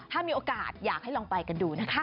ถ้ามีโอกาสอยากให้ลองไปกันดูนะคะ